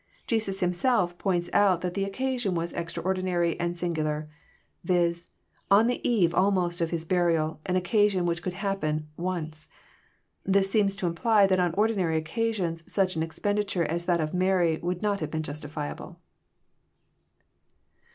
Jesus Himself points out that the occasion was extraordinary and singular; viz., on the eve almost of His burial, an occasion which could only happen once. This seems to imply that on ordinary occasions such an expenditure as that of Maiy would not have been Justifiable.